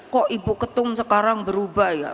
kok ibu ketum sekarang berubah ya